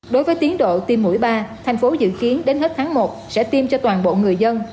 đối với tiến độ tiêm mũi ba thành phố dự kiến đến hết tháng một sẽ tiêm cho toàn bộ người dân